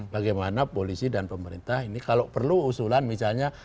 bagaimana polisi dan pemerintah ini kalau perlu usulan misalnya